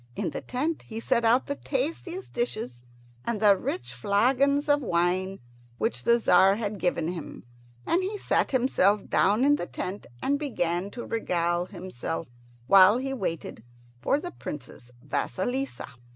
In the tent he set out the tasty dishes and the rich flagons of wine which the Tzar had given him, and he sat himself down in the tent and began to regale himself, while he waited for the Princess Vasilissa.